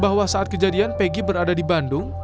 bahwa saat kejadian peggy berada di bandung